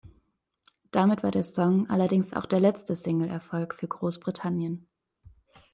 Damit war der Song allerdings auch der letzte Singleerfolg für Großbritannien.